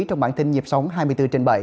trong bản tin nhịp sống hai mươi bốn trên bảy